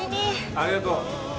ありがとう。ああ。